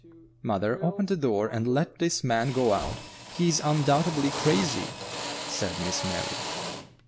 "Mother, open the door and let this man go out; he is undoubtedly crazy," said Miss Mary.